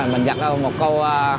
mình dặt ra một câu